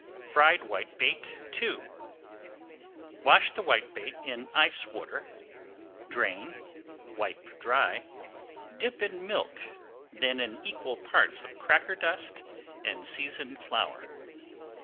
FRIED WHITEBAIT II Wash the whitebait in ice water, drain, wipe dry, dip in milk, then in equal parts of cracker dust and seasoned flour.